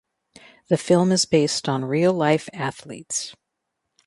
The film is based on real life athletes.